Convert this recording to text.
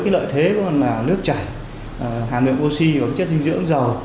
lợi thế cũng là nước chảy hàm lượng oxy và chất dinh dưỡng giàu